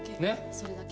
それだけ。